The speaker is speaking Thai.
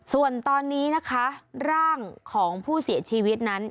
ส่วนตอนนี้นะคะร่างของผู้เสียชีวิตนั้น